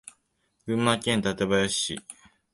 群馬県館林市